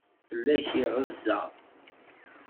Fell-ak iɣeza.